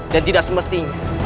dan tidak semestinya